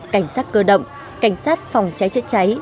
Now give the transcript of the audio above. cảnh sát cơ động cảnh sát phòng cháy chữa cháy